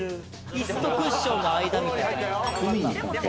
イスとクッションの間みたいな。